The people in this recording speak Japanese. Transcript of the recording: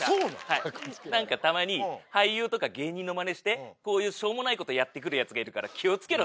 はい何かたまに俳優とか芸人のまねしてこういうしょうもないことやってくるヤツがいるから気を付けろって。